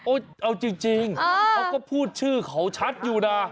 เอาจริงเขาก็พูดชื่อเขาชัดอยู่นะ